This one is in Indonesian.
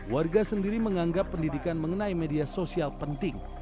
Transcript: warga sendiri menganggap pendidikan mengenai media sosial penting